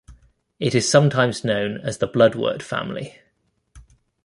It is sometimes known as the "bloodwort family".